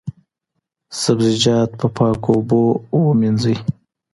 سبزیجات په پاکو اوبو ووینځئ.